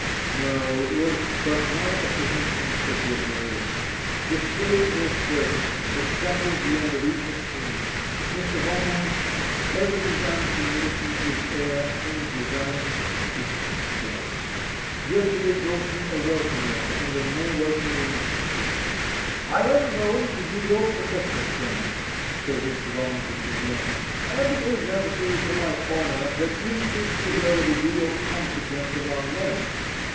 no, it was but my apprehensions that were various. The fate was certain, established beyond the reach of change. Mr. Valmont ever designed to make me his heir, and designs it still. Yesterday brought me a welcome letter, and a more welcome remittance. 'I am known to be your protector, Clement,' says Mr. Valmont in his letter; 'and it is necessary for my honour that you should preserve a degree of consequence among men.